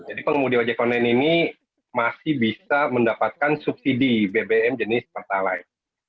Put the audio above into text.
jadi pengemudi ojek online ini masih bisa mendapatkan subsidi bbm jenis parta alight